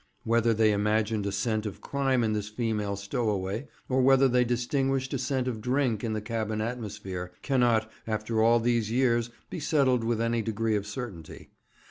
Whether they imagined a scent of crime in this female stowaway, or whether they distinguished a scent of drink in the cabin atmosphere, cannot, after all these years, be settled with any degree of certainty.